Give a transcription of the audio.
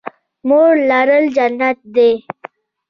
مور لرل جنت دی